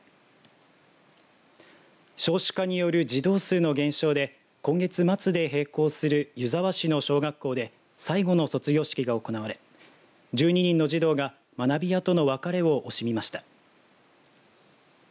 少子化による児童数の減少で今月末で閉校する湯沢市の小学校で最後の卒業式が行われ１２人の児童が学びやとの別れを惜しみました。